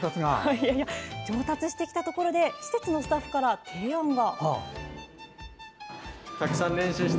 上達してきたところで施設のスタッフから提案が！